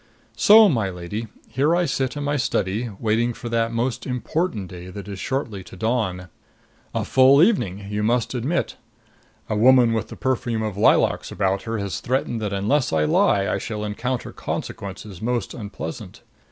So, my lady, here I sit in my study, waiting for that most important day that is shortly to dawn. A full evening, you must admit. A woman with the perfume of lilacs about her has threatened that unless I lie I shall encounter consequences most unpleasant.